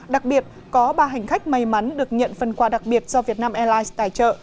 đặc biệt có ba hành khách may mắn được nhận phần quà đặc biệt do việt nam airlines tài trợ